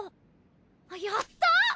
やった！